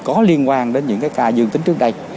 có liên quan đến những cái ca dương tính trước đây